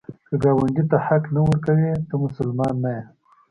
که ګاونډي ته حق نه ورکوې، ته مسلمان نه یې